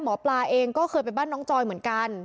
หมอปลาเองก็เคยไปบ้านน้องจอยเหมือนกัน